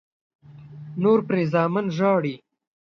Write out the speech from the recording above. نور پرې زامن ژاړي.